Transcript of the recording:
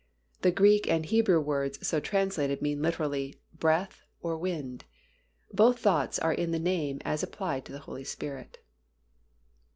The Greek and Hebrew words so translated mean literally, "Breath" or "Wind." Both thoughts are in the name as applied to the Holy Spirit.